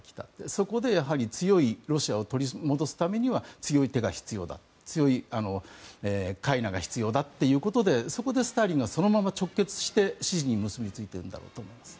そこで強いロシアを取り戻すためには強い手が必要だ強いかいなが必要だということでそこでスターリンがそのまま直結して支持に結びついているんだろうと思います。